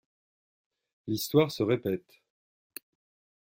L'histoire se répète.